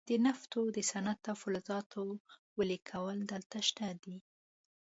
د نفتو د صنعت او فلزاتو ویلې کول دلته شته دي.